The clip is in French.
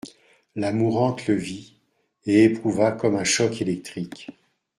La mourante le vit et éprouva comme un choc électrique.